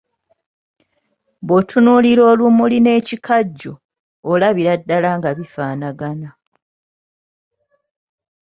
Bw’otunuulira olumuli n’ekikajjo olabira ddala nga bifaanagana.